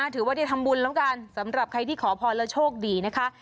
ถือว่าได้ทำบุญแล้วกันสำหรับใครที่ขอพรแล้วโชคดีนะคะ